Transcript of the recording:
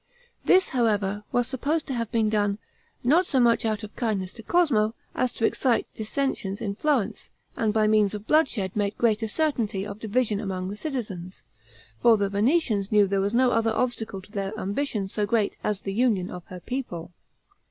This, however, was supposed to have been done, not so much out of kindness to Cosmo, as to excite dissensions in Florence, and by means of bloodshed make greater certainty of division among the citizens, for the Venetians knew there was no other obstacle to their ambition so great as the union of her people.